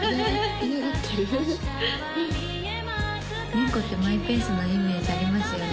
猫ってマイペースなイメージありますよね